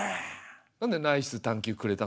なんでナイス探究くれたの？